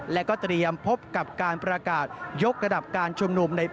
และก็เตรียมพบกับการประกาศยกระดับการชุมนุม